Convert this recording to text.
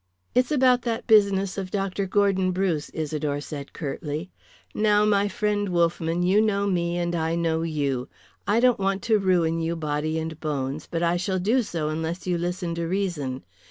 "It's about that business of Dr. Gordon Bruce," Isidore said curtly. "Now, my friend Wolffman, you know me and I know you. I don't want to ruin you body and bones, but I shall do so unless you listen to reason.